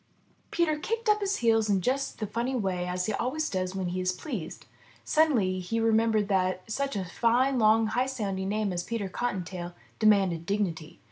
'' Peter kicked up his heels in just the funny way he always does when he is pleased. Suddenly he remembered that such a fine, long, high sounding name as Peter Cottontail demanded dignity.